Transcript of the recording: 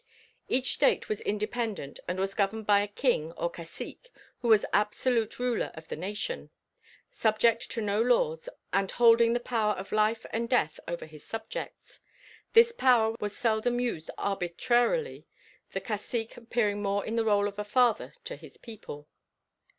Each state was independent and was governed by a king or cacique who was absolute ruler of the nation: subject to no laws and holding the power of life and death over his subjects, this power was seldom used arbitrarily, the cacique appearing more in the role of a father to his people.